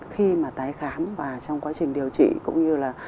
khi mà tái khám và trong quá trình điều trị cũng như là